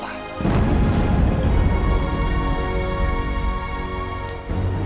sampai ketemu lagi